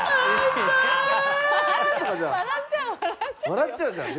笑っちゃうよ。